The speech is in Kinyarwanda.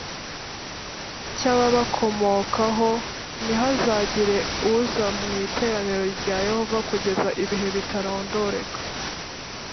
cy ababakomokaho ntihazagire uza mu iteraniro rya yehova kugeza ibihe bitarondoreka